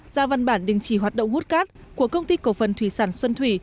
ra văn bản đình chỉ hoạt động hút cát của công ty cổ phần thủy sản xuân thủy